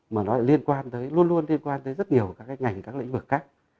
mà nó lại liên quan tới luôn luôn liên quan tới rất nhiều các cái ngành các lĩnh vực khác